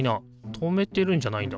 留めてるんじゃないんだ。